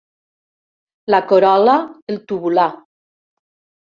La corol·la el tubular.